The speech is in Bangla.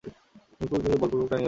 নৃপ নীরুকে বলপূর্বক টানিয়া লইয়া গেল।